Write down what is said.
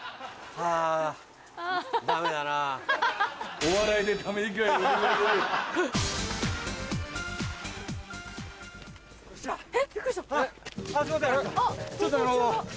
あちょっと！